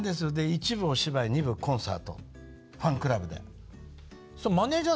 １部お芝居２部はコンサートファンクラブで。